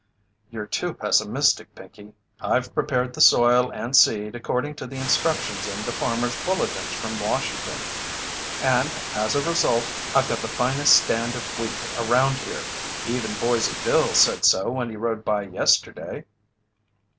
"You're too pessimistic, Pinkey. I've prepared the soil and seed according to the instructions in the Farmers' Bulletins from Washington, and as a result I've got the finest stand of wheat around here even Boise Bill said so when he rode by yesterday."